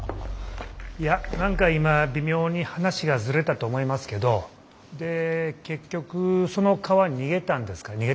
いや何か今微妙に話がずれたと思いますけどで結局その蚊は逃げたんですか？